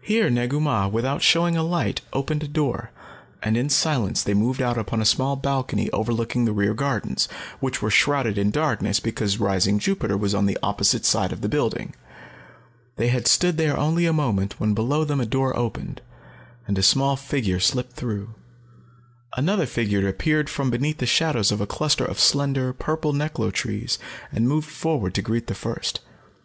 Here Negu Mah, without showing a light, opened a door, and in silence they moved out upon a small balcony overlooking the rear gardens, which were shrouded in darkness because rising Jupiter was on the opposite side of the building. They had stood there only a moment when below them a door opened, and a small figure slipped through. Another figure appeared from beneath the shadows of a cluster of slender, purple neklo trees and moved forward to greet the first.